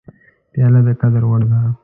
پیاله د قدر وړ ده.